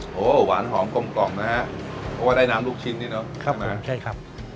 โอ้โหหวานหอมกลมกล่อมนะฮะเพราะว่าได้น้ำลูกชิ้นนี่เนอะครับนะใช่ครับ